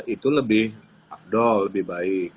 itu lebih abdol lebih baik